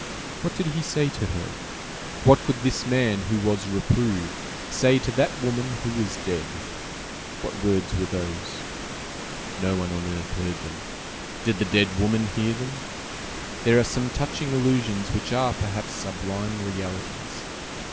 What did he say to her? What could this man, who was reproved, say to that woman, who was dead? What words were those? No one on earth heard them. Did the dead woman hear them? There are some touching illusions which are, perhaps, sublime realities.